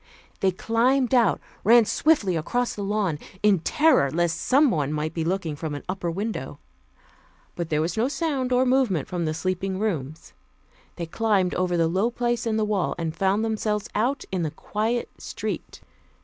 They climbed out, ran swiftly across the lawn, in terror lest someone might be looking from an upper window. But there was no sound or movement from the sleeping rooms. They climbed over the low place in the wall and found themselves out in the quiet street.